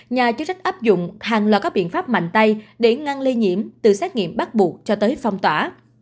nhà chức trách áp dụng hàng loạt các biện pháp mạnh tay để ngăn lây nhiễm từ xét nghiệm bắt buộc cho tới phong tỏa